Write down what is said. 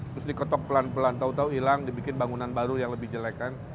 terus diketok pelan pelan tau tau hilang dibikin bangunan baru yang lebih jelek kan